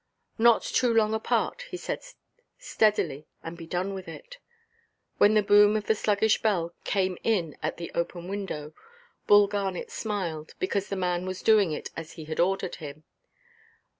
"Not too long apart," he said, "steadily, and be done with it." When the boom of the sluggish bell came in at the open window, Bull Garnet smiled, because the man was doing it as he had ordered him.